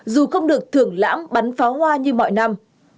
dù không được thưởng lãm bắn pháo hoa như mọi năm